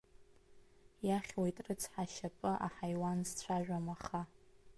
Иахьуеит рыцҳа ашьапы, аҳаиуан зцәажәом, аха.